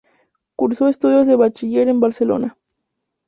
Cursó estudios de Bachiller en Barcelona.